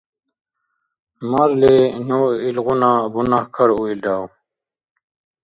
Марли, ну илгъуна бунагькар уилрав?